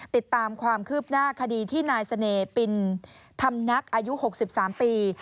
ติดตามความคืบหน้าคดีที่นายเสน่ห์ปินธรรมนักอายุ๖๓ปี